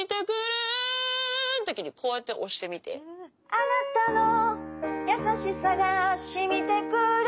「あなたの優しさが浸みて来る」